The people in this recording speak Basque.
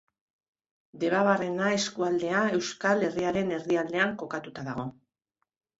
Debabarrena eskualdea Euskal Herriaren erdialdean kokatuta dago.